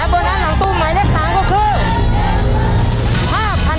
โบนัสหลังตู้หมายเลข๓ก็คือ